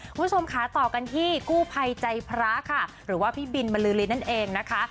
คุณผู้ชมค่ะต่อกันที่กู้ภัยใจพระค่ะหรือว่าพี่บินบรรลือรินนั่นเองนะคะ